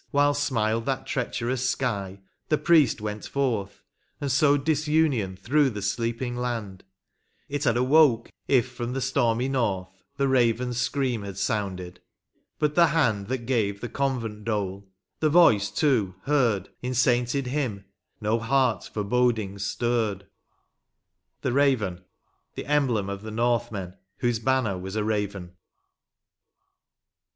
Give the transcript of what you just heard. Wliile smiled that treacherous sky the priest went forth And sowed disunion through the sleeping land ; It had awoke if from the stormy north The raven's* scream had sounded — but the hand That gave the convent dole — the voice, too, heard In sainted hymn, no heart forebodings stirred. * The emblem of the Northmen, whose banner was a raven.